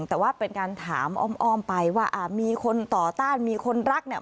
แต่ว่าเป็นการถามอ้อมไปว่าอ่ามีคนต่อต้านมีคนรักเนี่ย